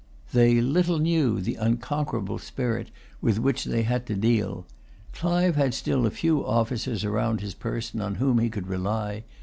They little knew the unconquerable spirit with which they had to deal. Clive had still a few officers round his person on whom he could rely.